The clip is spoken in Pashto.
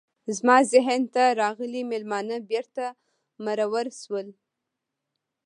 زما ذهن ته راغلي میلمانه بیرته مرور شول.